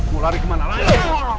mau lari kemana lagi